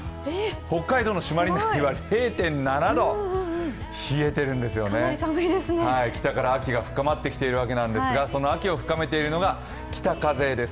北海道の朱鞠内では０．７度冷えてるんですよね、北から秋が深まってきているわけですがその秋を深めているのが北風です。